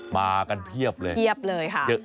มากันเพียบเลยเพียบเลยค่ะ